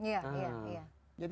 jadi yang kita lakukan